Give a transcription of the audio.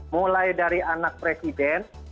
mulai dari anak presiden